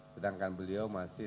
sedangkan beliau masih